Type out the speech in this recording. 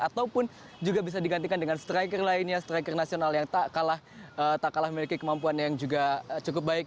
ataupun juga bisa digantikan dengan striker lainnya striker nasional yang tak kalah memiliki kemampuan yang juga cukup baik